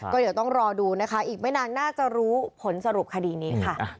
ก็เดี๋ยวต้องรอดูนะคะอีกไม่นานน่าจะรู้ผลสรุปคดีนี้ค่ะ